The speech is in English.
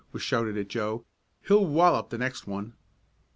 was shouted at Joe. "He'll wallop the next one!"